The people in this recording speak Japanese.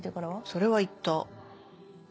それは行った。